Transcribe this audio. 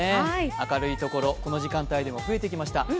明るい所、この時間帯でも増えてきました。